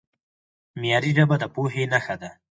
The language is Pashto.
معیاري ژبه د پوهې نښه ده.